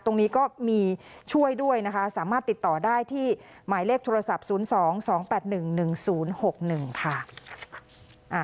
ตรงนี้ก็มีช่วยด้วยนะคะสามารถติดต่อได้ที่หมายเลขโทรศัพท์๐๒๒๘๑๑๐๖๑ค่ะ